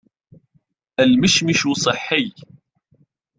المشمش صحي